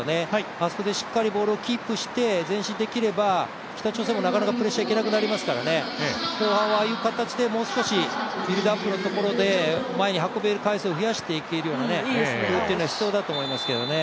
あそこでしっかりボールをキープして前進できれば北朝鮮もなかなかプレッシャーいけなくなりますから、後半はああいう形でもう少しビルドアップのところで前に運べる回数を増やしていくようなプレーが必要だと思います。